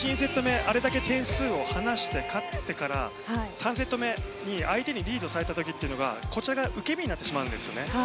１、２セット目あれだけ点数を離して勝ってから３セット目に相手にリードされた時こちらが受け身になってしまうんです。